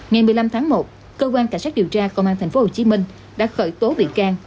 ngày một mươi năm tháng một cơ quan cảnh sát điều tra công an tp hcm đã khởi tố bị can